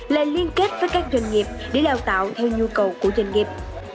là liên kết với các doanh nghiệp để đào tạo theo nhu cầu của doanh nghiệp